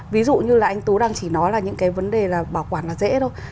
ví dụ như là anh tú đang chỉ nói là những cái vấn đề là bảo quản là dễ thôi